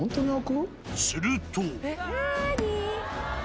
すると。